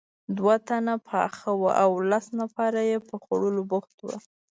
دوه تنه پخاوه او لس نفره یې په خوړلو بوخت وو.